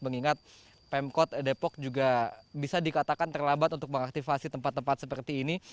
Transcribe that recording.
mengingat pemkot depok juga bisa dikatakan terlambat untuk mengaktifasi tempat tempat seperti ini